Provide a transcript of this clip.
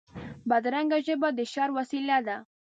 بدرنګه ژبه د شر وسیله ده